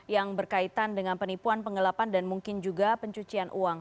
yang berkaitan dengan penipuan pengelapan dan mungkin juga pencuci